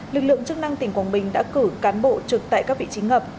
lực lượng chức năng tỉnh quảng bình đã cử cán bộ trực tại các vị trí ngập